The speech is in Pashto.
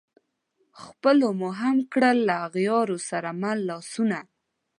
خلپو مو هم کړل له اغیارو سره مله لاسونه